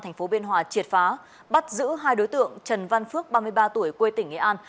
thành phố biên hòa triệt phá bắt giữ hai đối tượng trần văn phước ba mươi ba tuổi quê tỉnh nghệ an